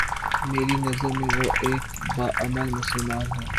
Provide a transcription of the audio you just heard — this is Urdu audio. میری نظر میں وہ ایک با عمل مسلمان ہے